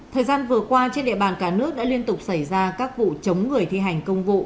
thời gian vừa qua trên địa bàn cả nước đã liên tục xảy ra các vụ chống người thi hành công vụ